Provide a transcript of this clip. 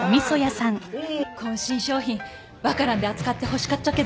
こん新商品ワカランで扱ってほしかっちゃけど。